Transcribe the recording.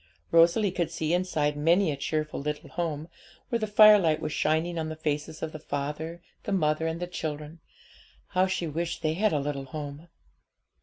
Rosalie could see inside many a cheerful little home, where the firelight was shining on the faces of the father, the mother, and the children. How she wished they had a little home!